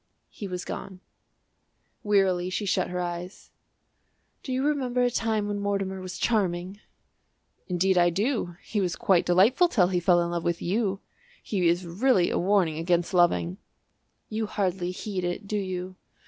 He was gone. Wearily she shut her eyes. "Do you remember the time when Mortimer was charming?" "Indeed I do; he was quite delightful till he fell in love with you. He is really a warning against loving." "You hardly heed it, do you?"